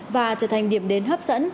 và trở thành điểm đến hấp dẫn